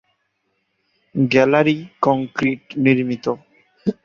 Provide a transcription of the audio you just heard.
Gallery concrete নির্মিত।